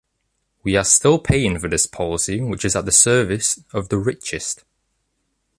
We are still paying for this policy which is at the service of the richest.